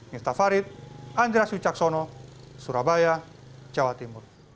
miftah farid andras wicaksono surabaya jawa timur